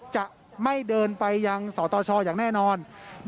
จะไม่เดินไปยังสตชอย่างแน่นอน